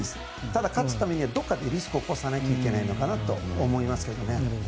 ただ、勝つためにはどこかでリスクを冒さないといけないのかなと思いますけどね。